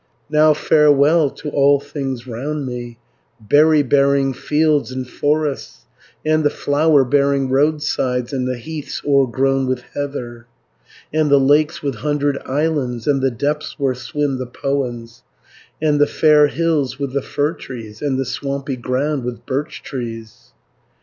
"Now farewell to all things round me, Berry bearing fields and forests, And the flower bearing roadsides, And the heaths o'ergrown with heather, And the lakes with hundred islands, And the depths where swim the powans, 460 And the fair hills with the fir trees, And the swampy ground with birch trees."